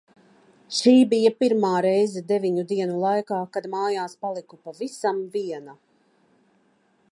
Šī bija pirmā reize deviņu dienu laikā, kad mājās paliku pavisam viena.